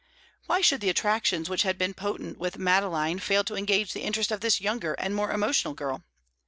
Why should the attractions which had been potent with Madeline fail to engage the interest of this younger and more emotional girl?